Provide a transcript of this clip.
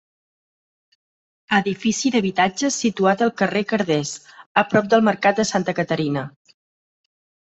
Edifici d'habitatges situat al carrer Carders, a prop del mercat de Santa Caterina.